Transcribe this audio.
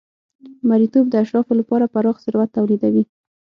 مریتوب د اشرافو لپاره پراخ ثروت تولیدوي.